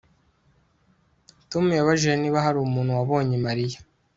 Tom yabajije niba hari umuntu wabonye Mariya